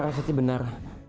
nara saki benar